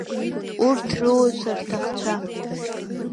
Урҭ руацәа-рҭахцәа.